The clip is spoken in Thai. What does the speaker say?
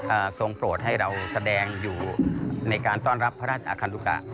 ทรงโปรดให้เราแสดงอยู่ในการต้อนรับพระราชอาคันดุกะ